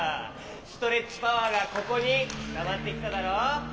ストレッチパワーがここにたまってきただろ。